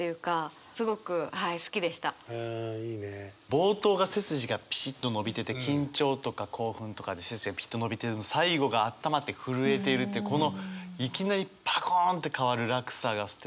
冒頭が背筋がピシッと伸びてて緊張とか興奮とかで背筋がピシッと伸びてる最後があったまって震えているというこのいきなりパコンって変わる落差がすてきですよね。